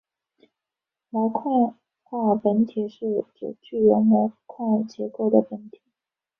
模块化本体是指具有模块结构的本体。